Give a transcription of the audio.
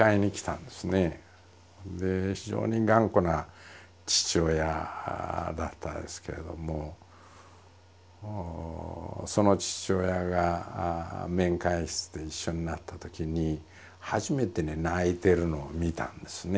非常に頑固な父親だったですけれどもその父親が面会室で一緒になったときに初めてね泣いてるのを見たんですね。